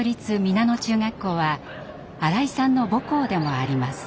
皆野中学校は新井さんの母校でもあります。